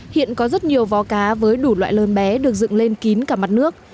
hiện có rất nhiều vó cá với đủ loại lớn bé được dựng lên kín cả mặt nước